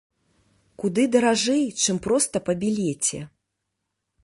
Куды даражэй, чым проста па білеце.